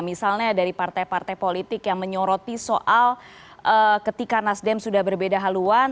misalnya dari partai partai politik yang menyoroti soal ketika nasdem sudah berbeda haluan